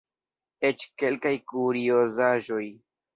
Eĉ kelkaj kuriozaĵoj.